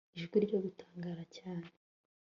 Ijwi ryo gutangara cyane